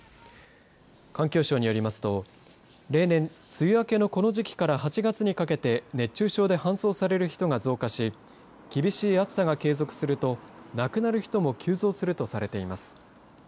環境省によりますと例年、梅雨明けのこの時期から８月にかけて熱中症で搬送される人が増加し厳しい暑さが継続すると亡くなる人も急増するとされています。